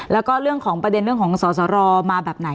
แล้วก็เรื่องของประเด็นเรื่องของสอสรมาแบบไหน